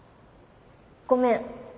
ごめん。